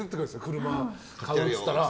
車欲しいって言ったら。